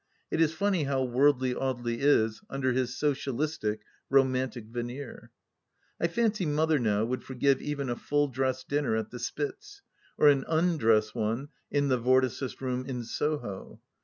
It is funny how worldly Audely is under his socialistic, romantic veneer 1 I fancy Mother, now, would forgive even a full dress dinner at the " Spitz," or an undress one in the Vorticist room in Soho.